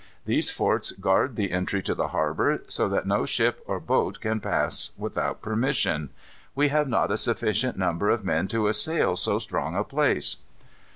These forts guard the entry to the harbor, so that no ship or boat can pass without permission. We have not a sufficient number of men to assault so strong a place."